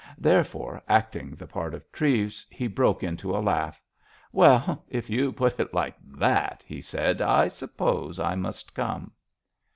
Therefore, acting the part of Treves, he broke into a laugh. "Well, if you put it like that," he said, "I suppose I must come."